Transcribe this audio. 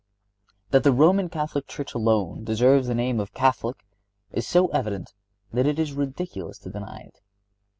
That the Roman Catholic Church alone deserves the name of Catholic is so evident that it is ridiculous to deny it.